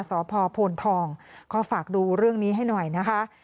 สพโพนทองก็ฝากดูเรื่องนี้ให้หน่อยนะคะ